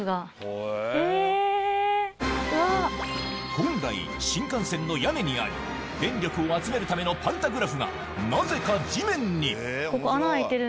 本来新幹線の屋根にあり電力を集めるためのパンタグラフがなぜか地面にここ。